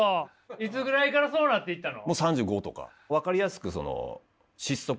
いつぐらいからそうなっていったの？